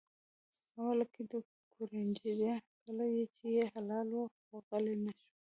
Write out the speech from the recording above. اوله کې وکوړنجېده کله چې یې حلالاوه خو غلی نه شو.